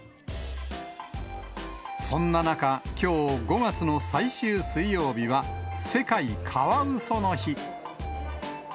そんな中、きょう、５月の最終水曜日は、世界カワウソの日。